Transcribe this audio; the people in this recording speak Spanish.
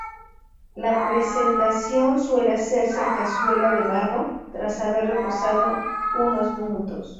La presentación suele hacerse en cazuela de barro tras haber reposado unos minutos.